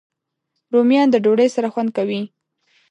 رومیان د ډوډۍ سره خوند کوي